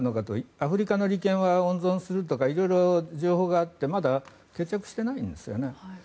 アフリカの利権は温存するとか色々情報があってまだ決着していないんですよね。